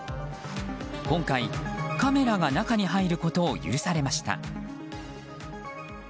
今回、カメラが中に入ることを許されました。